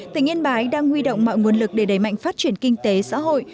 tỉnh yên bái đang huy động mọi nguồn lực để đẩy mạnh phát triển kinh tế xã hội